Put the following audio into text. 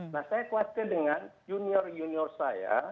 nah saya khawatir dengan junior junior saya